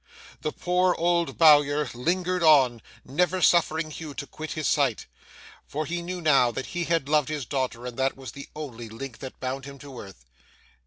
The poor old Bowyer lingered on, never suffering Hugh to quit his sight, for he knew now that he had loved his daughter, and that was the only link that bound him to earth.